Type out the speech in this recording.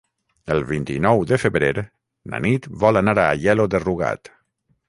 El vint-i-nou de febrer na Nit vol anar a Aielo de Rugat.